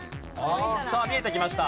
さあ見えてきました。